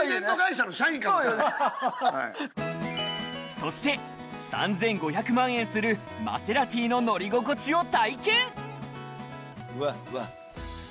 そして３５００万円するマセラティの乗り心地を体験わっわっ。